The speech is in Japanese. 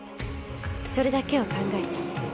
それだけを考えた